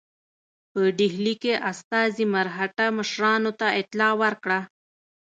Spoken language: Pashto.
په ډهلي کې استازي مرهټه مشرانو ته اطلاع ورکړه.